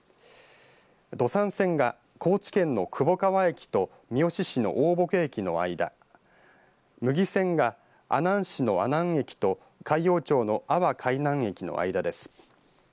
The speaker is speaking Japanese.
土讃線が高知県の窪川駅と三好市の大歩危駅の間牟岐線が、阿南市の阿南駅と海陽町の阿波海南駅の間です。